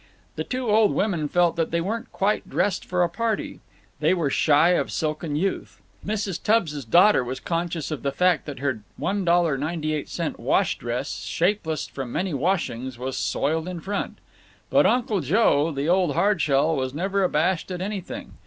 The two old women felt that they weren't quite dressed for a party; they were shy of silken youth. Mrs. Tubbs's daughter was conscious of the fact that her $1.98 wash dress, shapeless from many washings, was soiled in front. But Uncle Joe, the old hardshell, was never abashed at anything.